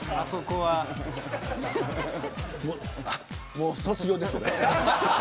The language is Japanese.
もう卒業です俺。